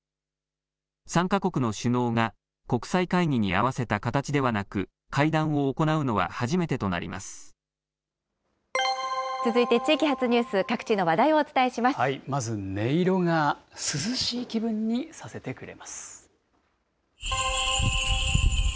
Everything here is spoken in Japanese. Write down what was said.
３か国の首脳が国際会議に合わせた形ではなく、会談を行うのは初続いて地域発ニュース、各地まず、音色が涼しい気分にさせてくれます。